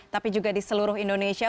tapi juga di seluruh indonesia